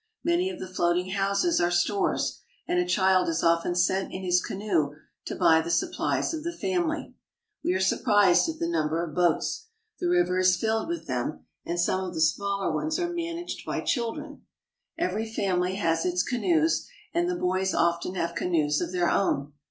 Many of the floating houses are stores, and a child is often sent in his canoe to buy the supplies of the family. We are surprised at the number of boats. The river is filled with them, and some of the smaller ones are managed by children. Every family has its canoes, and the boys often have canoes of their own.